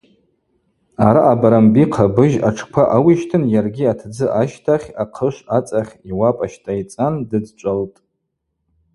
Араъа Барамби-хъабыжь атшква ауищтын йаргьи атдзы ащтахь ахъышв ацӏахь йуапӏа щтӏайцӏан дыдчӏвалтӏ.